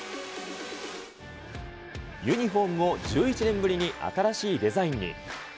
ユニホームも１１年ぶりに新しいデザインに。